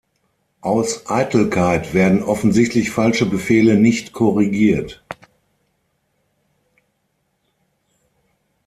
Aus Eitelkeit werden offensichtlich falsche Befehle nicht korrigiert.